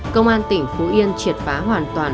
công an tỉnh phú yên triệt phá hoàn toàn